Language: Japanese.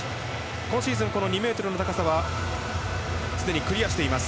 今シーズン、２ｍの高さはすでにクリアしています。